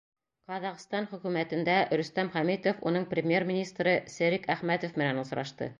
Ҡаҙағстан хөкүмәтендә Рөстәм Хәмитов уның Премьер-министры Серик Әхмәтов менән осрашты.